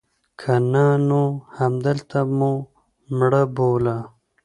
که نه نو همدلته مو مړه بوله.